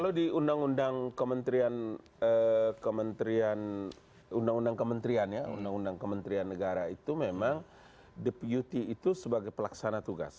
kalau di undang undang kementerian undang undang kementerian ya undang undang kementerian negara itu memang deputi itu sebagai pelaksana tugas